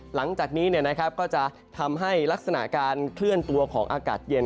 หลังจากนี้ก็จะทำให้ลักษณะการเคลื่อนตัวของอากาศเย็น